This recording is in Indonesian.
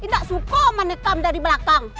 gak suka menikam dari belakang